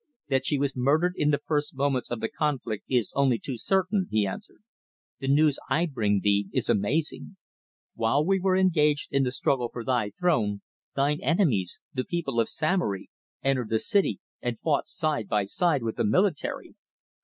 That she was murdered in the first moments of the conflict is only too certain," he answered. "The news I bring thee is amazing. While we were engaged in the struggle for thy throne, thine enemies, the people of Samory, entered the city and fought side by side with the military!"